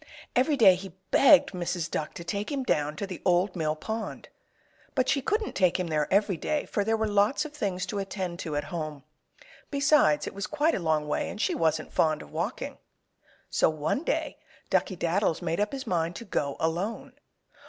Every day he begged Mrs. Duck to take him down to the Old Mill Pond. But she couldn't take him there every day, for there were lots of things to attend to at home. Besides, it was quite a long way, and she wasn't fond of walking. So one day Duckey Daddles made up his mind to go alone.